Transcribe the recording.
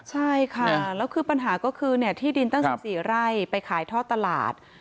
ใช่ค่ะแล้วคือปัญหาก็คือเนี่ยที่ดินตั้งสิบสี่ไร่ไปขายทอดตลาด